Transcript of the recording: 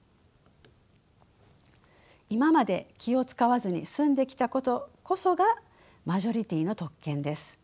今まで気を遣わずに済んできたことこそがマジョリティーの特権です。